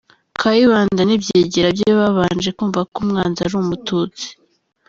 Kayibanda n’ibyegera bye babanje kumva ko “umwanzi” ari umututsi.